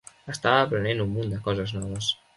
Estava aprenent un munt de coses noves.